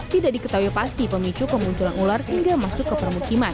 tidak diketahui pasti pemicu kemunculan ular hingga masuk ke permukiman